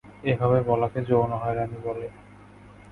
এভাবে বলাকে যৌন হয়রানি বলে।